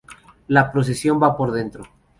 La procesión va por dentro